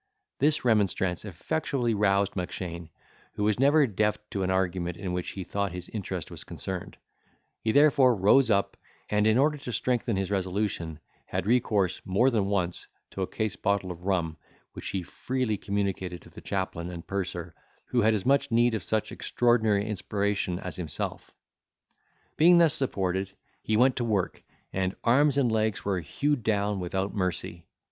This remonstrance effectually roused Mackshane, who was never deaf to an argument in which he thought his interest was concerned; he therefore rose up, and in order to strengthen his resolution, had recourse more than once to a case bottle of rum, which he freely communicated to the chaplain, and purser, who had as much need of such extraordinary inspiration as himself. Being thus supported, he went to work, and arms and legs were hewed down without mercy.